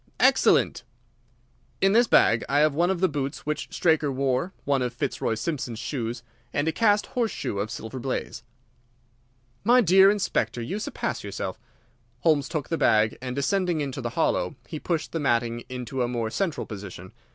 "Excellent." "In this bag I have one of the boots which Straker wore, one of Fitzroy Simpson's shoes, and a cast horseshoe of Silver Blaze." "My dear Inspector, you surpass yourself!" Holmes took the bag, and, descending into the hollow, he pushed the matting into a more central position.